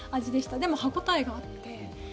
でも、歯応えがあって。